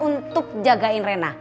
untuk jagain rena